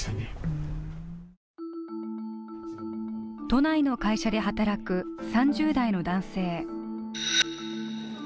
都内の会社で働く３０代の男性。